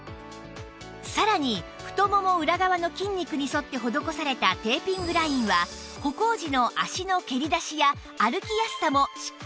さらにふともも裏側の筋肉に沿って施されたテーピングラインは歩行時の脚の蹴り出しや歩きやすさもしっかりサポート